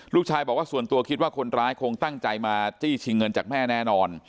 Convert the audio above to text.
ลูกชายบอกว่าส่วนตัวคิดว่าคนร้ายคงตั้งใจมาจี้ชิงเงินจากแม่แน่นอน